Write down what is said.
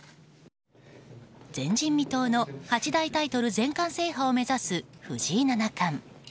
前人未到の八大タイトル全冠制覇を目指す藤井七冠。